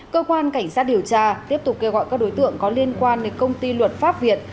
cơ quan cảnh sát điều tra tiếp tục kêu gọi các đối tượng có liên quan đến công ty luật pháp việt